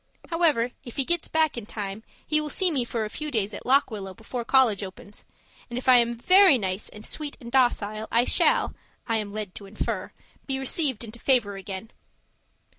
However, if he gets back in time, he will see me for a few days at Lock Willow before college opens, and if I am very nice and sweet and docile, I shall (I am led to infer) be received into favour again.